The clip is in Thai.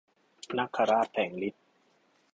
นาคราชแผลงฤทธิ์